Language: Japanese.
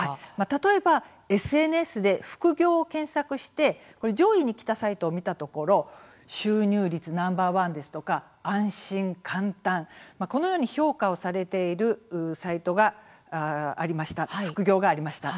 例えばＳＮＳで副業を検索して上位にきたサイトを見たところ収入率ナンバー１ですとか安心、簡単このように評価をされている副業がありました。